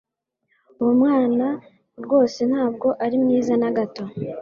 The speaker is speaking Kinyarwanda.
Uwo mwana rwose ntabwo ari mwiza na gato